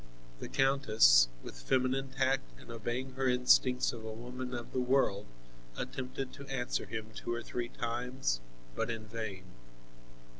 The countess, with feminine tact and obeying her instincts of a woman of the world, attempted to answer him two or three times, but in vain.